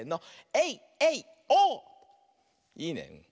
いいね。